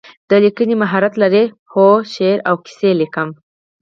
د لیکنې مهارت لرئ؟ هو، شعر او کیسې لیکم